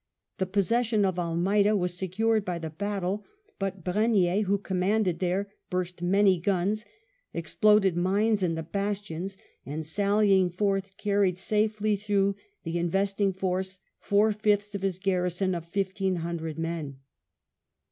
The possession of Almeida was secured by the battle; but Brenier, who commanded there, burst many guns, exploded mines in the bastions, and sallying forth carried safely through the investing force four fifths of his garrison of fifteen hundred men.